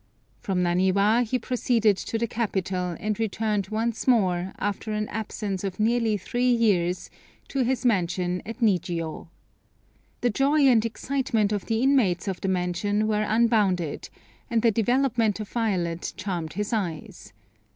From Naniwa he proceeded to the capital, and returned once more, after an absence of nearly three years, to his mansion at Nijiô. The joy and excitement of the inmates of the mansion were unbounded, and the development of Violet charmed his eyes.